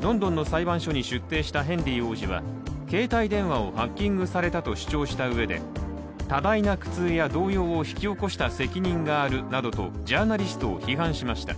ロンドンの裁判所に出廷したヘンリー王子は携帯電話をハッキングされたと主張したうえで多大な苦痛や動揺を引き起こした責任があるなどとジャーナリストを批判しました。